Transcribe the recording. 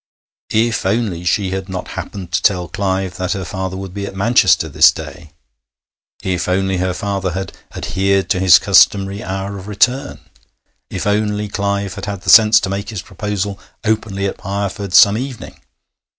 If only she had not happened to tell Clive that her father would be at Manchester this day! If only her father had adhered to his customary hour of return! If only Clive had had the sense to make his proposal openly at Pireford some evening!